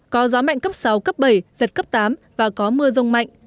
có gió mạnh cấp sáu cấp bảy giật cấp tám và có mưa rông mạnh